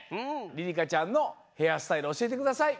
りりかちゃんのヘアスタイルおしえてください。